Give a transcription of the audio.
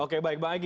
oke baik bang egy